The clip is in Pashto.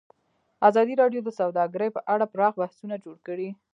ازادي راډیو د سوداګري په اړه پراخ بحثونه جوړ کړي.